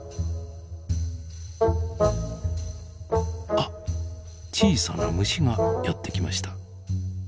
あっ小さな虫がやって来ました。